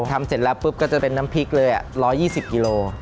ทำเสร็จแล้วปุ๊บก็จะเป็นน้ำพริกเลย๑๒๐กิโล